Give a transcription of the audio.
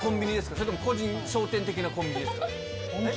それとも個人商店的なコンビニですか。